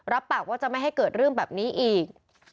ปากว่าจะไม่ให้เกิดเรื่องแบบนี้อีก